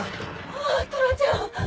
ああトラちゃん！